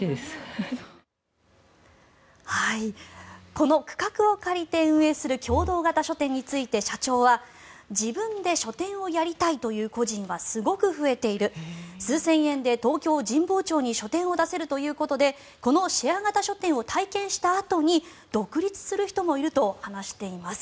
この区画を借りて運営する共同型書店について社長は自分で書店をやりたいという個人はすごく増えている数千円で東京・神保町に書店を出せるということでこのシェア型書店を体験したあとに独立する人もいると話しています。